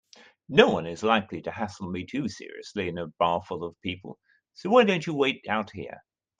Noone is likely to hassle me too seriously in a bar full of people, so why don't you wait out here?